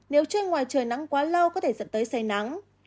nếu trên ngoài trời nắng quá lâu có thể dẫn tới say nắng